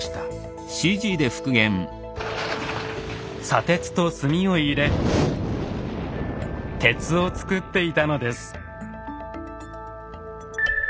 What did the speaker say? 砂鉄と炭を入れ鉄をつくっていたのです。